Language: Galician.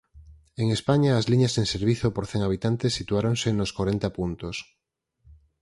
En España as liñas en servizo por cen habitantes situáronse nos corenta puntos.